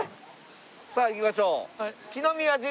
さあ行きましょう。